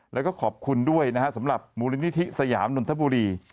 แล้วก็ขอบคุณด้วยนะฮะสำหรับมูลนิธิสยามนนทบุรี